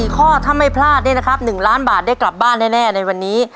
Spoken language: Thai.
๔ข้อถ้าไม่พลาดนี่นะครับ๑ล้านบาทได้กลับบ้านแน่ในวันนี้